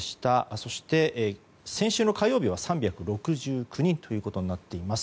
そして先週の火曜日は３６９人ということになっています。